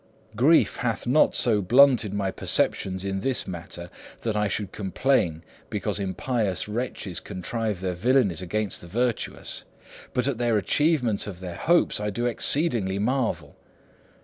Grief hath not so blunted my perceptions in this matter that I should complain because impious wretches contrive their villainies against the virtuous, but at their achievement of their hopes I do exceedingly marvel.